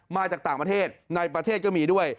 มาจากต่างประเทศในประเทศก็มีด้วย